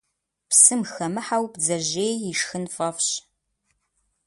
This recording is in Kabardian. Псым хэмыхьэу бдзэжьей ишхын фӀэфӀщ.